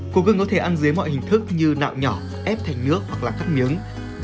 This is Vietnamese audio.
củ gừng có thể ăn dưới mọi hình thức như nạo nhỏ ép thành nước hoặc là cắt miếng